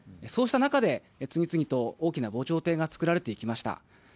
そうした中で、次々と大きな防潮堤が造られていきました。